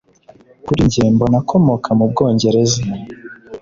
Kuri njye mbona akomoka mu Bwongereza